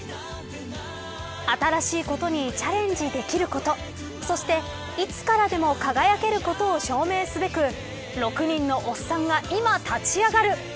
新しいことにチャレンジできることそして、いつからでも輝けることを証明すべく６人のおっさんが今立ち上がる。